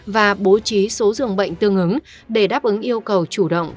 và bố trí số dường bệnh tương ứng để đáp ứng yêu cầu chủ động